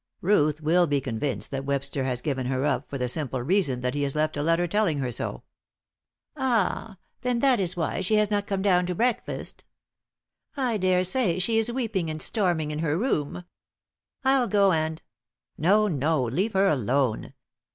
Ruth will be convinced that Webster has given her up, for the simple reason that he has left a letter telling her so." "Ah! Then that is wily she has not come down to breakfast. I daresay she is weeping and storming in her room. I'll go and " "No, no. Leave her alone.